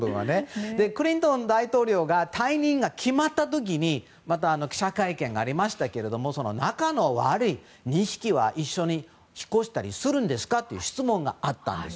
クリントン大統領の退任が決まった時にまた記者会見がありましたけど仲の悪い２匹は一緒に引っ越したりするんですかという質問があったんです。